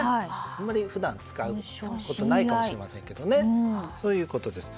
あまり普段使うことないかもしれませんけれどもそういうことです。